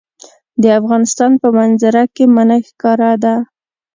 د افغانستان په منظره کې منی ښکاره ده.